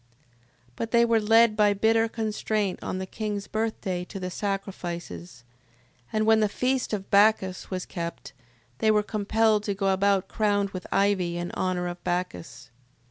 6:7. But they were led by bitter constraint on the king's birthday to the sacrifices: and when the feast of Bacchus was kept, they were compelled to go about crowned with ivy in honour of Bacchus.